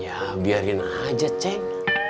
ya biarin aja ceng